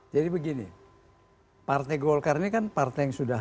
jadi begini partai golkar ini kan partai yang sudah